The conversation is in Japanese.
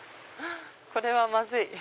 これはまずい！